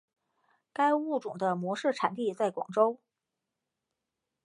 该物种的模式产地在广州。